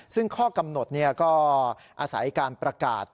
ซึ่งข้อกำหนดก็อาศัยการประกาศ